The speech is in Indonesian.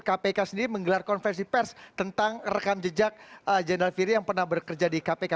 kpk sendiri menggelar konversi pers tentang rekam jejak general firi yang pernah bekerja di kpk